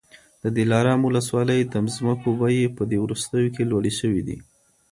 د دلارام ولسوالۍ د مځکو بیې په دې وروستیو کي لوړي سوې دي.